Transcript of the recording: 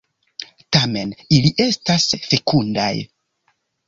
Tamen ili estas fekundaj.